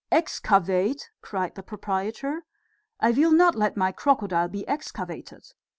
"Excavate!" cried the proprietor. "I will not let my crocodile be excavated.